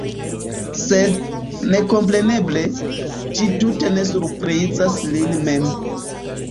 Sed, nekompreneble, ĝi tute ne surprizas lin mem.